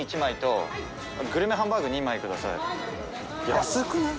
安くない？